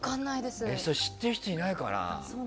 それ知ってる人いないかな？